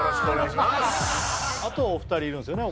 あとお二人いるんですよね？